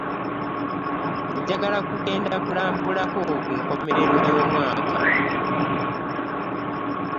Njagala kugenda kulambulako ku nkomerero ya mwaka.